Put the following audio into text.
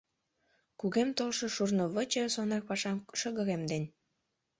Кугем толшо шурнывече сонар пашам шыгыремден.